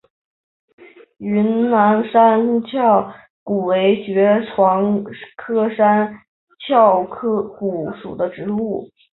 云南山壳骨为爵床科山壳骨属的植物。